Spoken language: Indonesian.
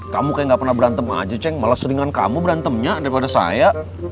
kamu kayak gak pernah berantem aja ceng malah seringan kamu berantemnya daripada saya